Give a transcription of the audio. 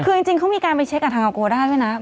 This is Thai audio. จริงจริงเขามีการไปเช็กกันทางเอาโกรด้า